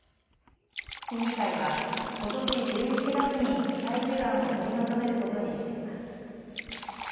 審議会はことし１１月に最終案を取りまとめることにしています。